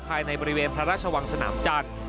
ภายในบริเวณพระราชวังสนามจันทร์